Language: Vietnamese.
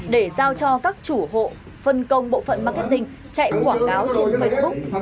để giao cho các chủ hộ phân công bộ phận marketing chạy quảng cáo trên facebook